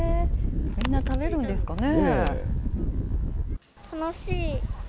みんな食べるんですかね？